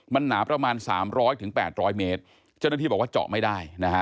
มันหนาประมาณสามร้อยถึง๘๐๐เมตรเจ้าหน้าที่บอกว่าเจาะไม่ได้นะฮะ